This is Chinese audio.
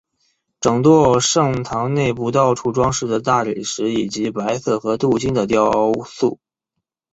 整座圣堂内部到处装饰着大理石以及白色和镀金的雕塑。